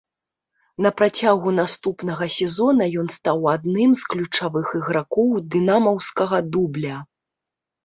На працягу наступнага сезона ён стаў адным з ключавых ігракоў дынамаўскага дубля.